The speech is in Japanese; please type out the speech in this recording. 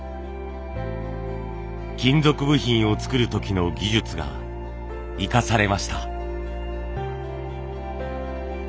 金属部品を作る時の技術が生かされました。